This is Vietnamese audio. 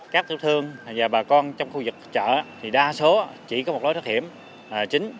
các tiểu thương và bà con trong khu vực chợ thì đa số chỉ có một lối thoát hiểm chính